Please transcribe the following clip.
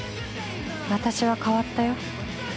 私は変わったよ。